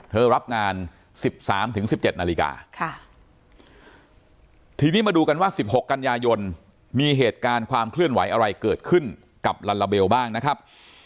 รับงาน๑๓๑๗นาฬิกาทีนี้มาดูกันว่า๑๖กันยายนมีเหตุการณ์ความเคลื่อนไหวอะไรเกิดขึ้นกับลัลลาเบลบ้างนะครับ